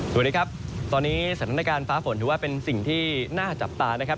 สวัสดีครับตอนนี้สถานการณ์ฟ้าฝนถือว่าเป็นสิ่งที่น่าจับตานะครับ